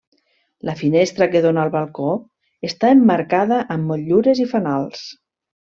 La finestra que dóna al balcó està emmarcada amb motllures i fanals.